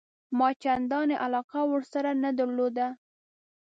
ما چنداني علاقه ورسره نه درلوده.